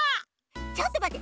ちょっとまって！